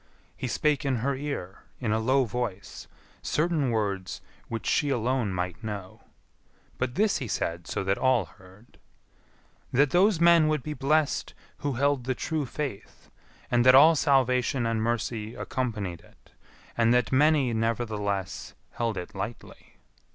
He spake in her ear, in a low voice, certain words which she alone might know; but this he said so that all heard, "That those men would be blessed who held the true faith, and that all salvation and mercy accompanied it; and that many, nevertheless, held it lightly."